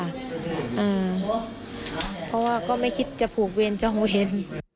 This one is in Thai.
อืมเพราะว่าก็ไม่คิดจะผูกเวรจ้องเวร